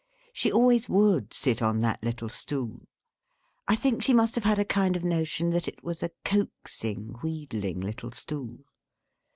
She always would sit on that little stool; I think she must have had a kind of notion that it was a coaxing, wheedling, little stool.